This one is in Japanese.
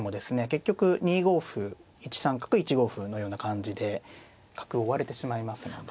結局２五歩１三角１五歩のような感じで角を追われてしまいますので。